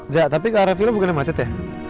zak tapi ke rfi nya bukan yang macet ya